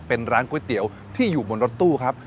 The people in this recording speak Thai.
เป็นร้านก๋วยเตี๋ยวที่อยู่บนรถตู้ครับ